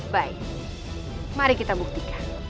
baik mari kita buktikan